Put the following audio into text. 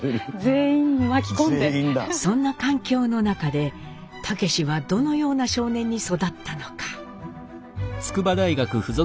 そんな環境の中で武司はどのような少年に育ったのか？